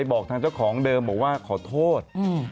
บอกทางเจ้าของเดิมบอกว่าขอโทษ